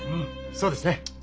そうですね。